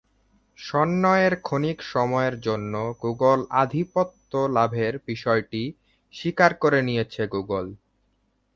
সন্ময়ের ক্ষণিক সময়ের জন্য গুগল আধিপত্য লাভের বিষয়টি স্বীকার করে নিয়েছে গুগল।